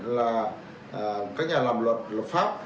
các nhà làm luật lập pháp